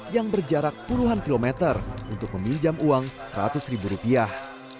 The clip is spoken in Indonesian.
yang berjarak puluhan kilometer untuk meminjam uang seratus ribu rupiah